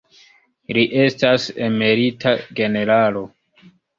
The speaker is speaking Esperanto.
Li estas emerita generalo.